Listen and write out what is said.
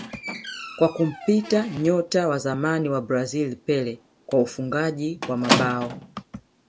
kwa kumpita nyota wa zamani wa Brazil Pele kwa ufungaji wa mabao